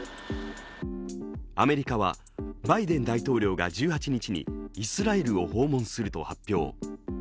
アメリカはバイデン大統領が１８日にイスラエルを訪問すると発表。